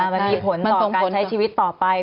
มันมีผลต่อการใช้ชีวิตต่อไป